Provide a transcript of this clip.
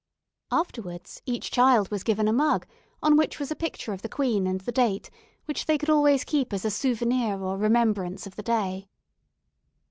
Afterward each child was given a mug, on which was a picture of the queen and the date, which they could always keep as a souvenir, or remembrance, of the day."